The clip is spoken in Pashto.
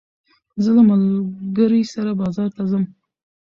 زه له ملګري سره بازار ته ځم.